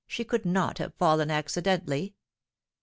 She could not have fallen accidentally.